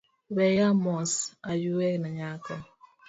Weya mos ayue nyako